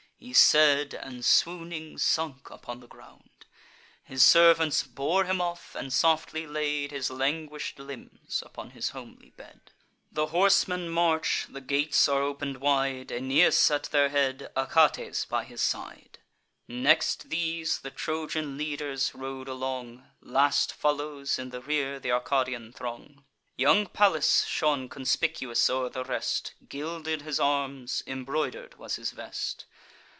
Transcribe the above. He said, and, swooning, sunk upon the ground. His servants bore him off, and softly laid His languish'd limbs upon his homely bed. The horsemen march; the gates are open'd wide; Aeneas at their head, Achates by his side. Next these, the Trojan leaders rode along; Last follows in the rear th' Arcadian throng. Young Pallas shone conspicuous o'er the rest; Gilded his arms, embroider'd was his vest.